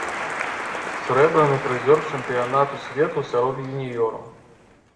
Срэбраны прызёр чэмпіянату свету сярод юніёраў.